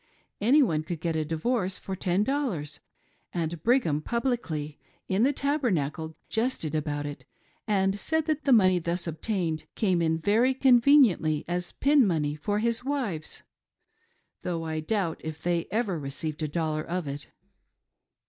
Any one could get a divorce for ten dollars ; and Brigham publicly in the Tabernacle jested about it and said that the money thus obtained came in very con veniently as pin money for his wives — though I doubt if they ever received a dollar of it.